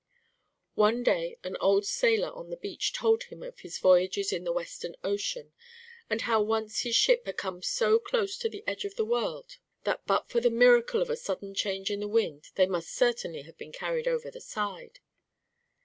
One day an old sailor on the beach told him of his voyages in the western ocean, and how once his ship had come so close to the edge of the world that but for the miracle of a sudden change in the wind they must certainly have been carried over the side.